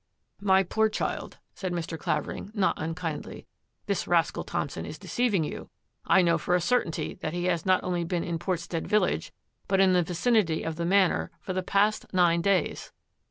" My poor child," said Mr. Clavering not un kindly, " this rascal Thompson is deceiving you. I know for a certainty that he has not only been in Portstead village, but in the vicinity of the Manor, for the past nine days."